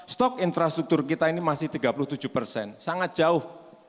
stok infrastruktur kita ini masih tiga puluh tujuh persen sangat jauh